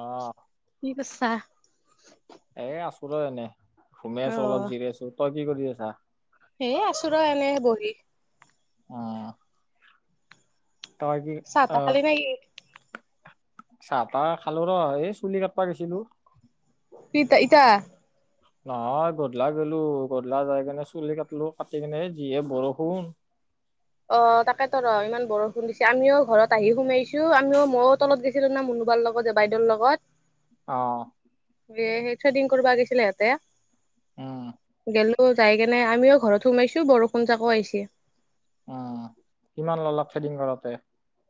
আহ কি কৰছা? এ আছো ৰ এনে সোমাই আছো অলপ জিৰি আছো তই কি কৰি আছা? এই আছো ৰ এনে বহি আহ। চাহ তাহ খালি নেকি? চাহ তাহ খালো ৰ এই চুলি কাটপা গৈছিলো। ইতা ইতা নহয় গধলা গলো গধলা যাই কিনে চুলি কাটিলো কাটি কেনে সেই যিহে বৰষুণ। [unintelligible] অ তাকেতো ৰ ইমান বৰষুণ দিছে আমিও ঘৰত আহি সোমাইছো আমিও মইয়ো তলত গেছিলো না ম কোবাৰ লগত যে বাইদেউৰ লগত। অ। দে চেডিং কৰিব গৈছিলে সিহঁতে। উম। যাই কেনে আমিও ঘৰত সোমাইছো বৰষুণ জাকো আহিছে। অ কিমান ললক থেডিং কৰতে?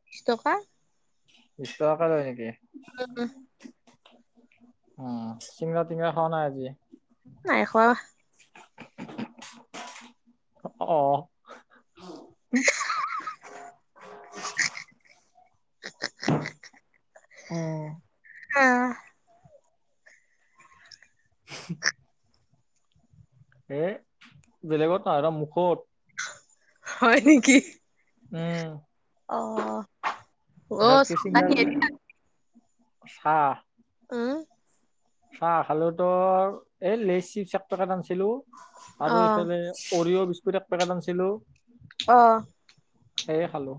বিশ টকা। বিশ টকাকে লয় নেকি? উম, উ চিংৰা তিংৰা খাও নাই আজি? নাই খোৱা। অ [unintelligible] [unintelligible] আহ। অ। [unintelligible] এ বেলেগত নৰা মুখত হয় নেকি? উম। [unintelligible] চা উম, চাহ খালোঁ তোৰ এই লেচ চিপ এক পেকেট আনিছিলোঁ। আৰু অ', এইফালে অৰিঅ' বিস্কুট এক পেকেট আনিছিলোঁ। অ সে খালোঁ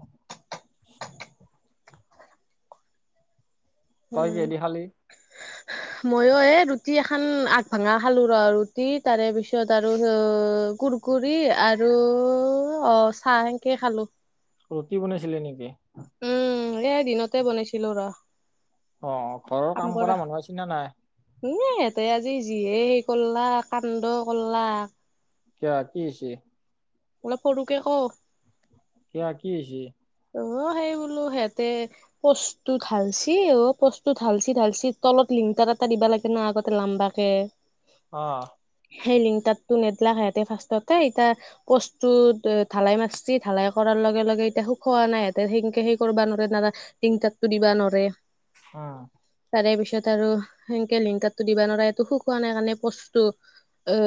তই কিদি খালি? মইও এ ৰুটি এখন আগ ভাঙা খালো ৰ ৰুটি তাৰে পিছত আৰু [unintelligible] কুৰকুৰি আৰু অ চাহ সেনকে খালো। ৰুটি বনাইছিলি নেকি? উম এ দিনতে বনাইছিলো ৰ। অ ঘৰৰ কাম কৰা, মানুহ আছিল নে নাই এ সিহঁতে আজি যিয়ে হ কৰলাক কান্দ কৰলাক। কিয় কি হৈছে? অলপ সৰুকে ক। কোৱা কি হৈছে? অ সেইবোৰ মই বোলো সেতে পোষ্টটো ধালছি পোষ্টটো ধালছি ধালছি তলত লিংতাৰ এটা দিব লাগে না আগতে লাম্বাকে। অ সেই লিংক তাতটো নেদলাক সিহতে ফাষ্টতে এতিয়া পষ্টটো ঢালাই মাৰচে ঢালাই কৰা লগে লগে এতিয়া সুখোৱা নাই হিহঁতে সেনকে সেই কৰিব নৰে দাদা তিনি তাতো দিবা নোৱৰে। আহ। তাৰে পিছত আৰু সেনকে লিংকতাৰতো দিবা নোৱাৰে এইটো শুকোৱা নাই কাৰণে পষ্টো অ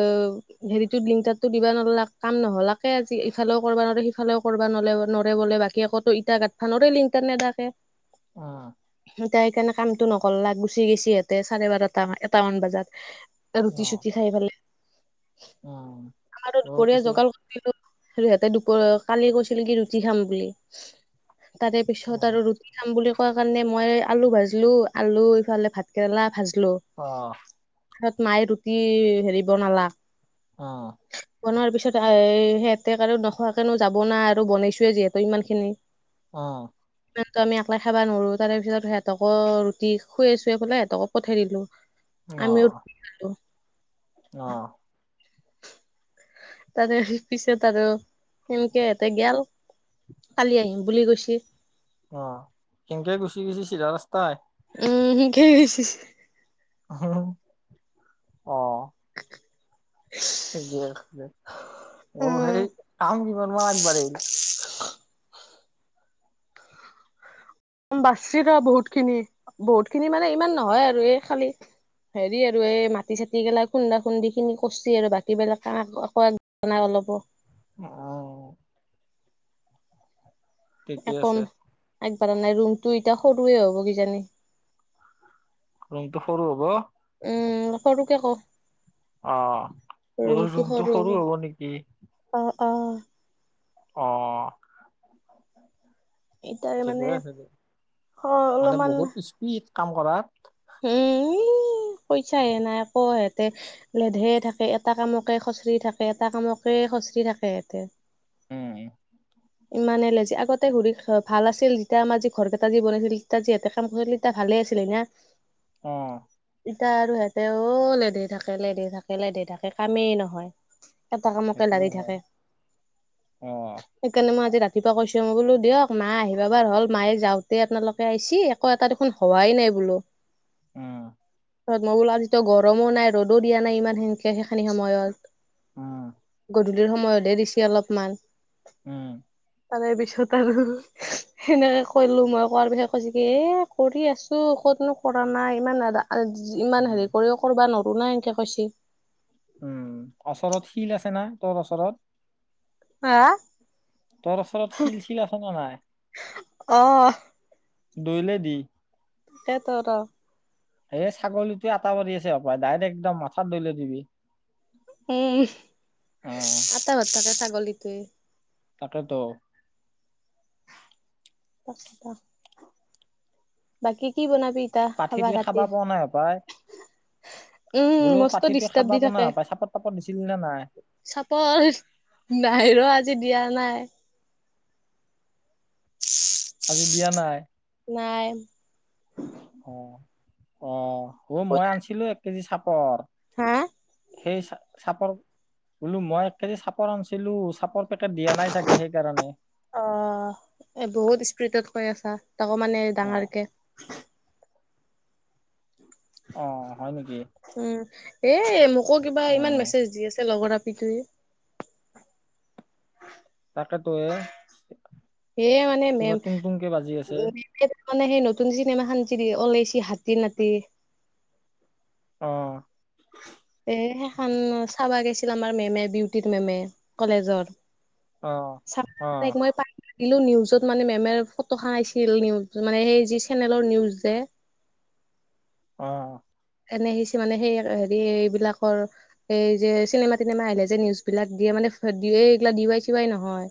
হেৰিতো লিংতাৰতো দিবা নৱাৰলাক কাম নহলাকে আজি ইফালেও কৰিবা নৰে সিফালেও কৰবা নলে নৰে বোলে বাকী আকৌ ইটা গাতফা নৰে ইটা নে দিয়াকে। আহ। এতিয়া সেইকাৰণে কামটো নকলাক গুচি গেইছেহেঁতে চাৰে বাৰটা এটা মান বজাত। অ ৰুটি চুটি খাই পেলে। অ আমাৰ দুপৰীয়া পিছে যোগাৰ কৰিলোঁ হেঁতে দুপৰীয়া কালি কৈছিলে কি ৰুটি খাম বুলি। তাৰে অ পিছত আৰু ৰুটি খাম বুলি কোৱা কাৰণে মই আলু ভাজিলো আলু ইফালে ভাত কেৰেলা ভাজিলো অ পাছত মায়ে ৰুটি হেৰি বনালা। অ বনোৱাৰ পিছত এ সিহঁতে আৰু নোখোৱাকেনো যাব নোৱাৰে আৰু বনাইছোৱে যিহেতু ইমান খিনি আহ আমি একলাই খাবা নোৱাৰোঁ কাৰণ সিহঁতক ৰুটি খুৱাই চুৱাই পেলে সিহঁতকো পঠাই দিলোঁ। আমি আহ তাৰে পিছত আৰু সেনকে হেতে গেল কালি আহিম বুলি কৈছে। অ কেনেকে গুচি গুচি চিধা ৰাস্তাই। উম সেনকে গৈছে। অহ অহ [inaudible] [unintelligible] উম। সেই কাম কিমান মান আগবাঢ়িল বাচিব বহুত খিনি বহুত খিনি মানে ইমান নহয় আৰু এই খালি। হেৰি আৰু এই মাটি চাতি গিলা খুন্দা খুন্দি খিনি কৰছে আৰু বাকীবিলাক অলপ হ'ব। অ। ঠিকে একণ আছে আগবঢ়া নাই ৰুমটো এতিয়া সৰুৱে হ'ব কিজানি। ৰুমটো সৰু হ'ব। দে [unintelligible] অ হলেওঁ ৰুমটো সৰু হ'ব নেকি? অ অ। অ। এতিয়া মানে থিকে হেৰি মানে অলপমান বহুত স্পীড কাম কৰা উম। পইচা নাই আকৌ সিহঁতে লেধে থাকে এটা কামকে খুচৰি থাকে এটা কামকে খচৰি থাকে ইয়াতে উম ইমানে লেজি আগতে ঘূৰি ভাল আছিল যেতিয়া আমাৰ যি ঘৰ কেইটা যি বনাইছিল তেতিয়া যিহঁতে কাম কৰিছিল তেতিয়া ভাল। ভালে আছিলি না। আহ তিতা আৰু সেহেঁতেও লেধে থাকে লেধে থাকে লেধে থাকে কামেই নহয়। এটা কামকে সেইটোয়ে লাগি হয় থাকে। অ সেইকাৰণে মই আজি ৰাতিপুৱাৰ কৈছোঁ মই বোলো দিয়ক মা আহিবা বাৰ হ'ল মায়ে যাওঁতে আপোনালোকে আহিছে আকৌ এটা দে হোৱাই নাই বোলোঁ উম ত মই বোলোঁ যিটো গৰমো নাই ৰ'দো দিয়া নাই ইমান সেনকে সেইখিনি সময়ত। উম গধূলিৰ সময়তেহে দিছে অলপমান। উম। তাৰে পিছত আৰু সেনেকে কলোঁ মই কোৱাৰ পিছত কৈছোঁ কি এ কৰি আছোঁ। তনো কৰা নাই ইমান ইমান উম হেৰি কৰিও কৰবা নৰো নাই এনকে কৈছি। উম অচৰত শিল আছে না তৰ অচৰত? হাঁ? তৰ অচৰত শিল-চিল আছে নে নাই? অ। দৈলে দি। [unintelligible] এই ছাগলীটোৱে আতা পাৰি আছে হপায়। ডাইৰেক্ট একদম মাথাত দৈলাই দিবি। উম, অ আটা পাৰ থাকে ছাগলীটোই। তাকেতো। ক'ত শুবা বাকী কি বনাবি ইতা খাবা পাঠিটোৱে ৰাতি? পোৱা নাই হপাই উম, বোলো মস্ত পাঠিটোৱে ডিষ্টাৰ্ব খাবা দি পোৱা নাই থাকে, হপাই চাপৰ তাপৰ দিছিলি নে নাই চাপৰ। নাই ৰ আজি দিয়া নাই। আজি দিয়া নাই। নাই অ অ, হ মই আনছিলো এক কেজি চাপৰ। হা সেই চ চাপৰ বোলো মই এক কেজি চাপৰ আনিছিলো। চাপৰ দিয়া নাই চাগে সেইকাৰণে। অ এ বহুত স্পীডত কৈ আছা তাকো মানে অ ডাঙৰকে। অ, হয় নেকি? উম, এ মোকো কিবা অ ইমান মেছেজ দি আছে লগৰ সেইটোৱেই তাতোৱে সে মানে মেম বাজি আছে [unintelligible] মানে সেই নতুন চিনেমা খান যি ওলাইছি হাতী নাতি। অ। এ সেইখন চাবা গৈছিল আমাৰ মেমে বিউটিৰ মেমে কলেজৰ। অ অ চাক তাক মই পা দিলো নিউজত মানে মেমে ফটোখান আইছিল নিউজ মানে সেই যি চেনেলৰ নিউজ যে। [inaudible] অ অ। এনে সি চি মানে সেই হেৰি এইবলাকৰ এই যে চিনেমা তিনেমা আহিলে যে নিউজ বিলাক দিয়ে মানে দিওয়েই এইগিলা দিৱাই চিৱাই নহয়।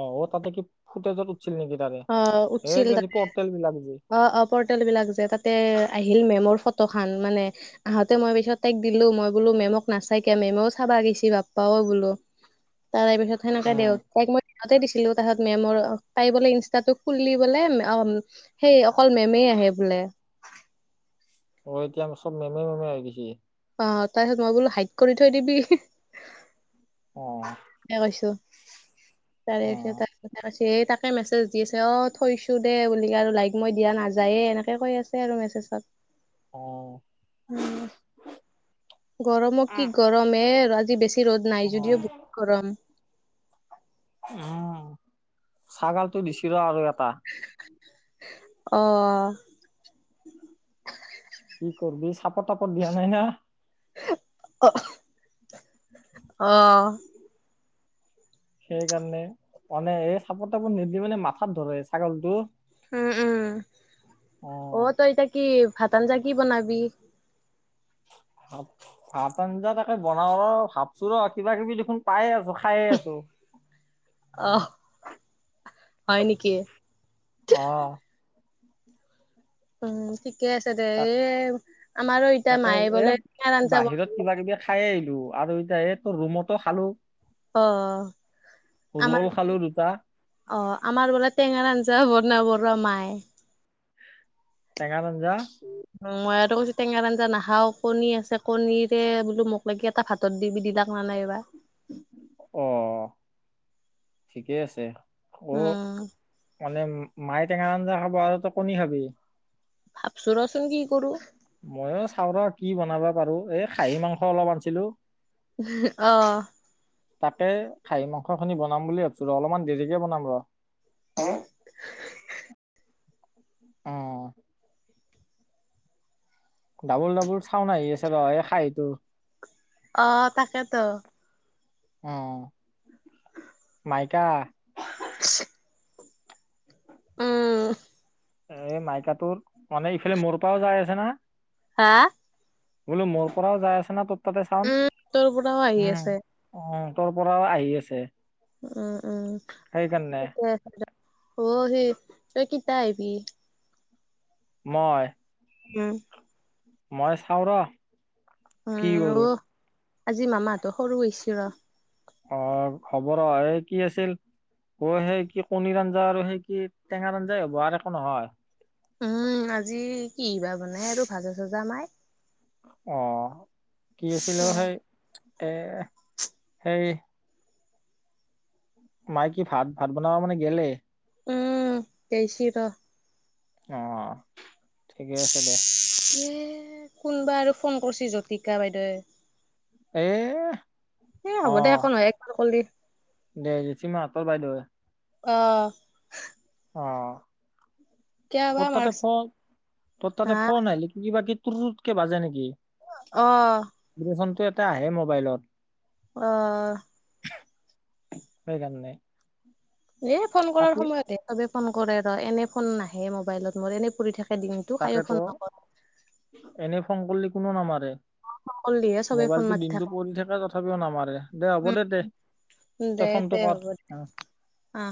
অ-অ তাতে কি ফুটেজত উঠছিল নেকি তাৰে? অ এই উঠছিল এইগিলা পৰ্টেল বিলাক যি। অ অ পৰ্টেল বিলাক যে তাতে আহিল মেমৰ ফটো খান। মানে আহোতে মই পিছত তাইক দিলো। মই বোলো মেমক নাচাকিয়া। মেমেও চাবা গৈছি বাপ্পাও বোলো। তাৰ পিছত সেনেকে দেও। উম তাইক মই সহতে দিছিলো। তাহত মেমৰ তাইৰ বোলে ইনছ তাতো খুলি বোলে সেই অকল মেমেই আহে বোলে। অ, এতিয়া চব মেমে-মেমে হৈ গৈছি। অ, তাৰপিছত মই বোলো হাইট কৰি থৈ দিবি। স অ কৈছো। তাৰে অ [unintelligible] স তাকে মেছেজ দি আছে। অ থৈছোঁ দে বুলি আৰু লাইক মই দিয়া নাযায়ে। এনেকে কৈ আছে আৰু মেছেজত। অ ও গৰমত কি গৰম এ যদি বেছি ৰ'দ নাই অ যদিও বহুত গৰম। উম ছাগালটো দিছি ৰ আৰু এটা। অ। কি কৰবি চাপৰ তাপৰ দিয়া নাই না। অঁ। সেইকাৰণে মানে এই চাপৰ তাপৰ নিদি মানে মাথাত ধৰে ছাগলটোই। উম, উম। অ, তই এইটা কি ভাত আঞ্জা কি বনাবি? ভাত, ভাত আঞ্জা তাকে বনাওঁ ৰ। ভাবছো ৰ কিবা কিবি দেখোন পাই আছো। খাইয়ে আছো। অহ, হয় নেকি? অ উম। ঠিকে আছে দে। তাক এ এই আমাৰো ইত্য়া তাকে মায়ে এ বোলে টেঙা আঞ্জা বনবো। টো আৰু এতিয়া এই তো ৰুমতো খালো। অ অ, ৰল আমাৰ, খালো দুটা অ আমাৰ বোলে টেঙাৰ আঞ্জা এতিয়া বনাব ৰ মায়ে। টেঙাৰ আঞ্জা। উম মই আৰু কৈছো টেঙাৰ আঞ্জা নাখাও, কণী আছে কণীৰে বোলো মোক লেগি এটা ভাতত দিবি দিলাক নাইবা অহ, ঠিকেই আছে। অ উম। মানে মাই টেঙাৰ আঞ্জা খাব আৰু তই কণী খাবি? ভাবছো ৰচোন কি কৰো। মইয়ো চাও ৰ কি বনাবা পাৰো। এই খাহী মাংস অলপ আনছিলো। অহ। তাকে খাহী মাংস খিনি বনাম বুলি ভাবছো ৰ অলপমান দেৰিকে বনাম ৰ। [unintelligible] অঅঅ। ডাবুল ডাবুল চাওন আহি আছে ৰ এই খাহিটোৰ। অ, তাকেটো। উ মাইকা [inaudible] উ। এ মাইকাটোৰ। মানে ইফালে মৰ পাও যাই আছে না। হা? বোলো মোৰ পৰাও যাই আছে না তোৰ তাতে চাওন উম, তোৰ পৰাও আহি উম আছে উ ৰ পৰাও আহি আছে উম উম সেইকাৰণে িকে অ সেই শকিত আহ পি মই উম। মই চাও ৰ, কি উম অ কৰো। আজি মামাহতৰ সৰু আইছি ৰ। অ হব ৰ, এই কি আছিল অ সেই কি কণীৰ আঞ্জা আৰু সেই কি টেঙাৰ আঞ্জাই হ'ব আৰু একো নহয়? উম আজি কিবা বনাই আৰু ভাজা চাজা মাই। অহ, কি আছিলো সেই এহ সেই মাই কি ভাত ভাত বনাবা মানে গেলে? উম গেইছি ৰ। অ, ঠিকে আছে দে। এ কোনবা আৰু ফোন কৰছি জতিকা বাইদেউৱে। এ এ অ হ'ব দে। একো নহয় একবাৰ কৰলি। দে [unintelligible] বাইদেউৱে অ। অ, কিয় বা তত তাতে ফ মাৰছি তত হা তাতে ফন আইলি কিবা কি [unintelligible] কে বাজে নেকি? অ। ভিব্ৰেচনটো এটা আহে মোবাইলত অ সেইকাৰ নাই এ ফোন কৰাৰ সময়ত হে চবে ফোন কৰে ৰ এনে ফোন নাহে মোবাইলত মোৰ এনে পৰি থাকে দিনটো কায়ো তাকেতো ফোন নকৰ এনে ফোন কৰিলে কোনো নামাৰে ফোন কৰলিহে চবে ফোন মোবাইলতো মাত দিনতটো পৰি থাকে তথাপিও নামাৰে দে হ'ব দে দে উম দে তই তে ফোনটো কৰ হ'ব দে অ